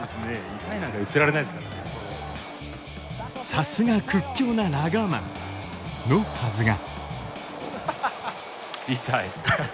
さすが屈強なラガーマンのはずが。